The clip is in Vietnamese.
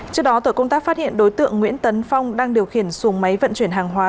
trước đó tổ công tác phát hiện đối tượng nguyễn tấn phong đang điều khiển xuồng máy vận chuyển hàng hóa